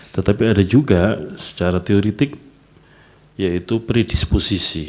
tetapi ada juga secara teoretik yaitu predisposisi